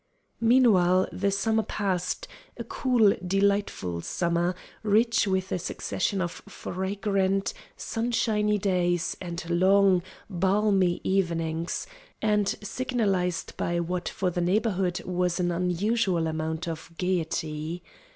Meanwhile, the summer passed; a cool, delightful summer, rich with a succession of fragrant, sunshiny days and long, balmy evenings; and signalized by what for the Neighborhood was an unusual amount of gaiety.